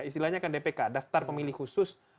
istilahnya kan dpk daftar pemilih khusus